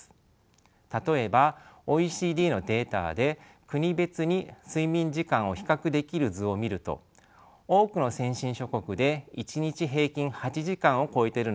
例えばＯＥＣＤのデータで国別に睡眠時間を比較できる図を見ると多くの先進諸国で１日平均８時間を超えているのが分かります。